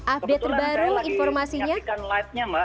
ah kebetulan saya lagi menyaksikan live nya mbak